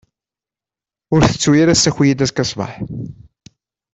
Ur tettu ara ssaki-iyi-d azekka ssbeḥ.